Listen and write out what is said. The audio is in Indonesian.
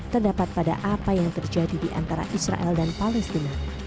terdapat pada apa yang terjadi di antara israel dan palestina